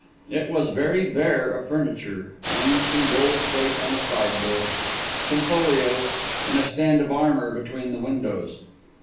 It was very bare of furniture: only some gold plate on a sideboard; some folios; and a stand of armour between the windows.